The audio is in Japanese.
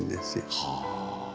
はあ。